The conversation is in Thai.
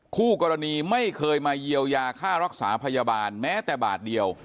คู่กรณีไม่เคยมาเยียวยาค่ารักษาพยาบาลแม้แต่บาทเดียว